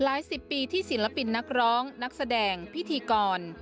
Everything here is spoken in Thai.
๑๐ปีที่ศิลปินนักร้องนักแสดงพิธีกร